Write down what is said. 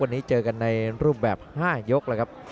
วันนี้เจอกันในรูปแบบ๕ยกแล้วครับ